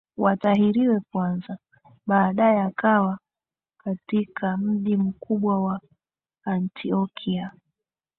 watahiriwe kwanza Baadaye akawa katika mji mkubwa wa Antiokia